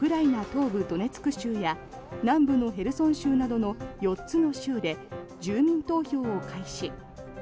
東部ドネツク州や南部のヘルソン州などの４つの州で住民投票を開始。